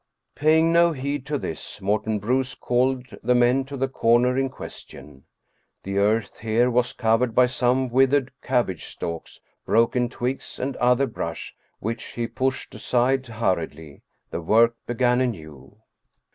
Paying no heed to this, Morten Bruus called the men to the corner in question. The earth here was covered by] some withered cabbage stalks, broken twigs, and other brush which he pushed aside hurriedly. The work began, anew.